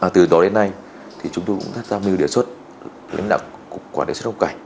từ đó đến nay chúng tôi cũng đã đa mưu đề xuất lãnh đạo cục quản lý xuất động cảnh